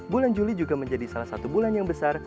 bulan juli juga menjadi salah satu bulan yang besar